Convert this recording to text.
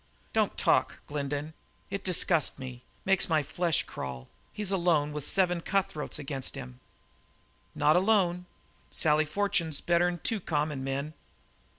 "Don't talk, Glendin. It disgusts me makes my flesh crawl. He's alone, with seven cutthroats against him." "Not alone. Sally Fortune's better'n two common men."